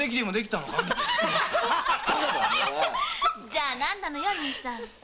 じゃ何なのよ兄さん。